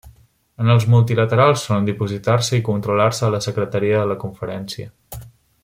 En els multilaterals solen dipositar-se i controlar-se a la secretaria de la conferència.